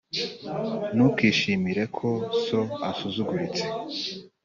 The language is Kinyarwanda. Ntukishimire ko so asuzuguritse,